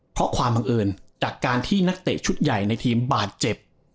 เพราะความบังเอิญจากการที่นักเตะชุดใหญ่ในทีมบาดเจ็บ